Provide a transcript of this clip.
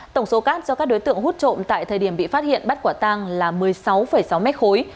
tổng số cát do các đối tượng hút trộm tại thời điểm bị phát hiện bắt quả tang là một mươi sáu sáu mét khối